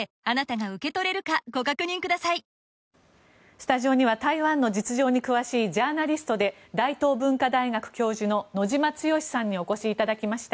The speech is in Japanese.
スタジオには台湾の実情に詳しいジャーナリストで大東文化大学教授の野嶋剛さんにお越しいただきました。